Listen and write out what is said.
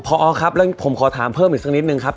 พอครับแล้วผมขอถามเพิ่มอีกสักนิดนึงครับ